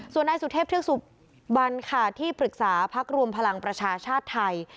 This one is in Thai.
ส่วนนายสุเทพเทือกสุบันค่ะที่ปรึกษาพักรวมพลังประชาชาติไทย